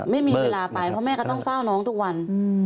ไม่มีเวลาไปเพราะแม่ก็ต้องเฝ้าน้องทุกวัน